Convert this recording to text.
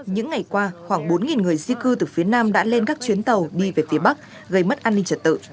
những ngày qua khoảng bốn người di cư từ phía nam đã lên các chuyến tàu đi về phía bắc gây mất an ninh trật tự